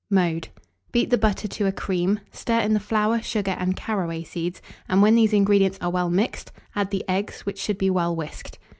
Mode. Beat the butter to a cream; stir in the flour, sugar, and caraway seeds; and when these ingredients are well mixed, add the eggs, which should be well whisked.